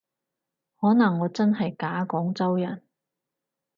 可能我真係假廣州人